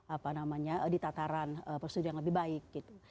apa namanya ditataran prosedur yang lebih baik gitu